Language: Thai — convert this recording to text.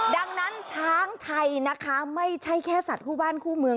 ดังนั้นช้างไทยนะคะไม่ใช่แค่สัตว์คู่บ้านคู่เมือง